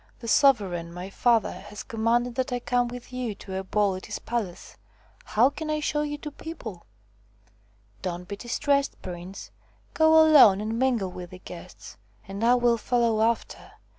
The sovereign, my father, has com manded that I come with you to a ball at his palace. How can I show you to people 1 ' THE FROG QUEEN 121 "Don't be distressed, prince! Go alone and mingle with the guests, and I will follow after.